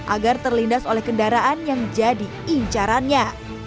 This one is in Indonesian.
agar terlindas oleh kendaraan yang jadi incarannya